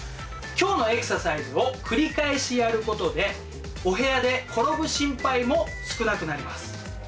今日のエクササイズを繰り返しやることでお部屋で転ぶ心配も少なくなります。